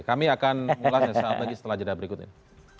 kami akan mulakan saat lagi setelah jeda berikut ini